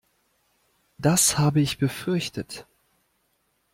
Das habe ich befürchtet.